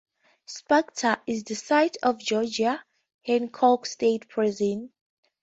Sparta is the site of Georgia's Hancock State Prison.